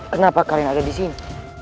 kenapa kalian ada disini